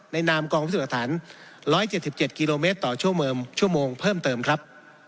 ในนามกองพิจาธาน๑๗๗กิโลเมตรต่อชั่วโมงเพิ่มเติมครับ